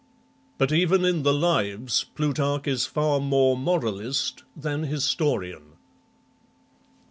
But even in the Lives, Plutarch is far more moralist than historian.